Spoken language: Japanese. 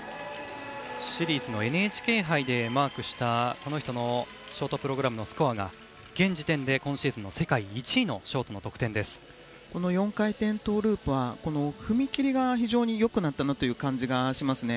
シリーズのＮＨＫ杯でマークしたショートプログラムのスコアが現時点で今シーズンの世界１位の４回転トウループは踏み切りが非常に良くなった感じがしますね。